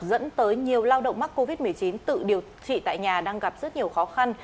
dẫn tới nhiều lao động mắc covid một mươi chín tự điều trị tại nhà đang gặp rất nhiều khó khăn